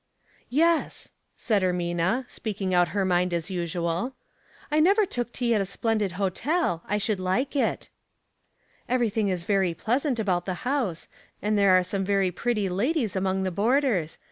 " "Yes," said Ermina, speaking out her mind as usual. "I never took tea at a splendid hotel. I should like it." " Everything is very pleasant about the house, and there are some very pretty ladies among the boarders.